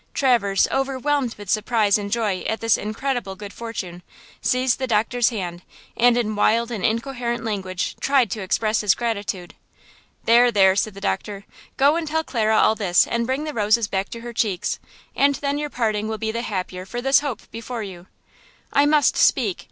Traverse, overwhelmed with surprise and joy at this incredible good fortune, seized the doctor's hand, and in wild and incoherent language tried to express his gratitude. "There–there," said the doctor, "go and tell Clara all this and bring the roses back to her cheeks, and then your parting will be the happier for this hope before you." "I must speak!